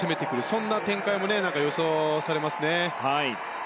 そんな展開も予想されますね。